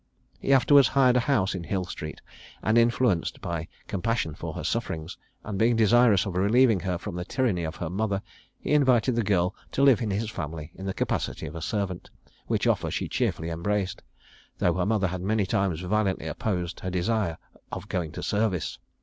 He afterwards hired a house in Hill street, and, influenced by compassion for her sufferings, and being desirous of relieving her from the tyranny of her mother, he invited the girl to live in his family in the capacity of a servant; which offer she cheerfully embraced, though her mother had many times violently opposed her desire of going to service.